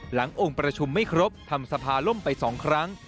หลังองค์ประชุมไม่ครบทำสภาล่มไป๒ครั้ง